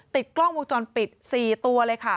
ติดกล้องวงจรปิด๔ตัวเลยค่ะ